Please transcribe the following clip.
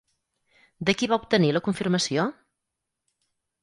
De qui va obtenir la confirmació?